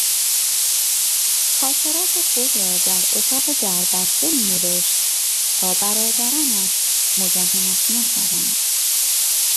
خاطرات خود را در اتاق دربسته می نوشت تا برادرانش مزاحمش نشوند.